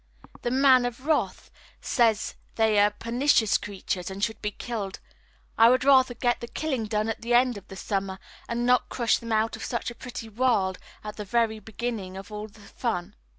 The Man of Wrath says they are pernicious creatures and should be killed. I would rather get the killing done at the end of the summer and not crush them out of such a pretty world at the very beginning of all the fun.